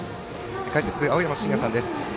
解説、青山眞也さんです。